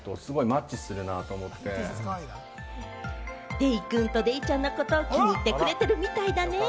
デイくんとデイちゃんのことを気に入ってくれているみたいだよ。